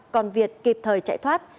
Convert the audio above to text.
còn việt kịp thời chạy thoát